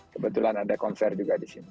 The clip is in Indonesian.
kebetulan ada konser juga di sini